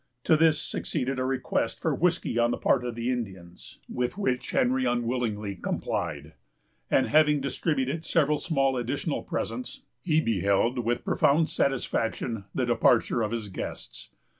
To this succeeded a request for whiskey on the part of the Indians, with which Henry unwillingly complied; and, having distributed several small additional presents, he beheld, with profound satisfaction, the departure of his guests.